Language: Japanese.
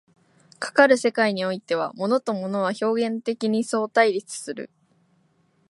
かかる世界においては、物と物は表現的に相対立する。